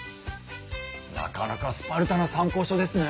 なかなかスパルタな参考書ですね。